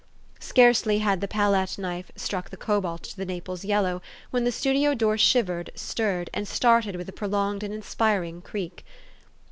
Scarcely had the palette knife struck the cobalt to the Naples yellow, when the studio door shivered, stirred, and started with a prolonged and inspiring creak.